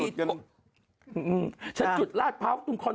เพื่อนเอเมน๒๕